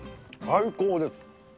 最高です。